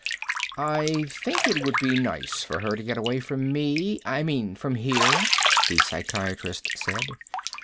"I think it would be nice for her to get away from me I mean from here," the psychiatrist said.